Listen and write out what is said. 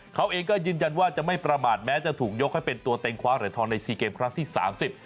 เขาเองก็ยืนยันว่าจะไม่ประมาทแม้จะถูกยกให้เป็นตัวเต็งคว้าเหรียญทองในสี่เกมครั้งที่สามสิบ